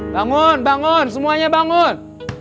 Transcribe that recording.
bangun bangun semuanya bangun